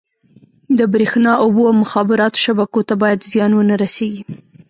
د بریښنا، اوبو او مخابراتو شبکو ته باید زیان ونه رسېږي.